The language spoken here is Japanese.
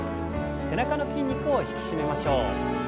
背中の筋肉を引き締めましょう。